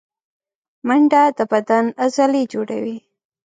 منډه د بدن عضلې جوړوي